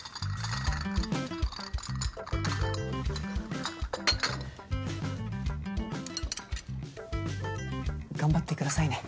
ガタガタ頑張ってくださいね。